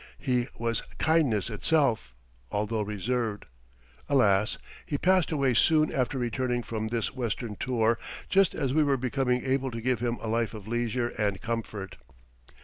He was kindness itself, although reserved. Alas! he passed away soon after returning from this Western tour just as we were becoming able to give him a life of leisure and comfort.